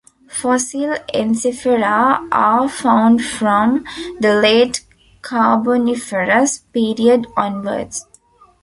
Fossil Ensifera are found from the late Carboniferous period onwards.